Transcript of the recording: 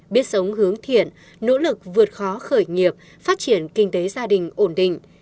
biết sống hướng thiện nỗ lực vượt khó khởi nghiệp phát triển kinh tế gia đình ổn định